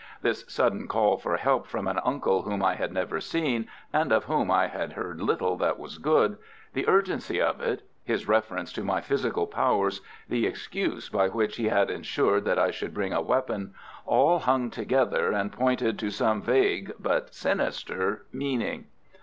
This sudden call for help from an uncle whom I had never seen, and of whom I had heard little that was good, the urgency of it, his reference to my physical powers, the excuse by which he had ensured that I should bring a weapon, all hung together and pointed to some vague but sinister meaning.